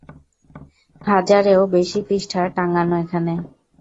হাজারেও বেশি পৃষ্ঠা টাঙানো এখানে!